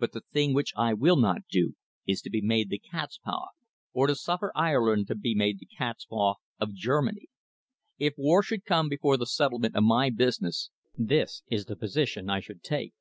But the thing which I will not do is to be made the cat's paw, or to suffer Ireland to be made the cat's paw, of Germany. If war should come before the settlement of my business, this is the position I should take.